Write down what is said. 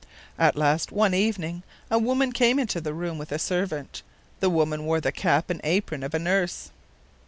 At last, one evening, a woman came into the room with a servant. The woman wore the cap and apron of a nurse.